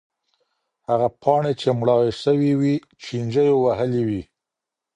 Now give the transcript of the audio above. هغه پاڼې چي مړاوې سوي وې چینجیو وهلې وې.